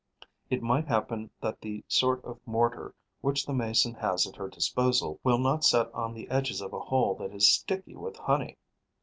It might happen that the sort of mortar which the Mason has at her disposal will not set on the edges of a hole that is sticky with honey.